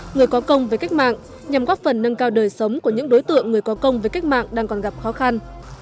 người có công với cách mạng nhằm góp phần nâng cao đời sống của những đối tượng người có công với cách mạng đang còn gặp khó khăn